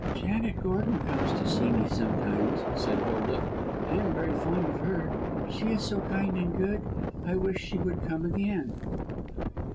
"Janet Gordon comes to see me sometimes," said Hilda. "I am very fond of her. She is so kind and good. I wish she would come again."